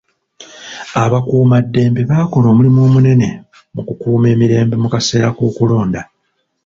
Abakuumaddembe bakola omulimi munene mu kukuuma emirembe mu kaseera k'okulonda.